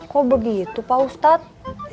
kok begitu pak ustadz